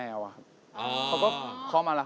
สวัสดีครับ